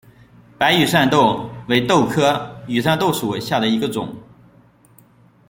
白羽扇豆为豆科羽扇豆属下的一个种。